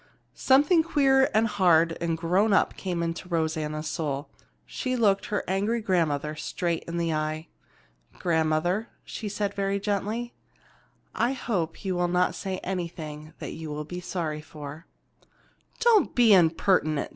Something queer and hard and grown up came into Rosanna's soul. She looked her angry grandmother straight in the eye. "Grandmother," she said very gently, "I hope you will not say anything that you will be sorry for." "Don't be impertinent!"